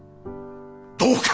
どうか！